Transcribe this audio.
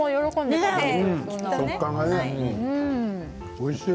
おいしい。